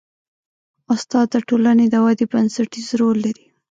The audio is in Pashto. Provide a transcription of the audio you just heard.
استاد د ټولنې د ودې بنسټیز رول لري.